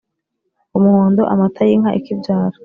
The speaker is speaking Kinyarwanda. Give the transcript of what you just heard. umuhondo amata y’inka ikibyara